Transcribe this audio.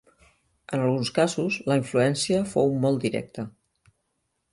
En alguns casos la influència fou molt directa.